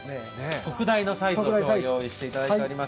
特大のサイズを用意していただいています。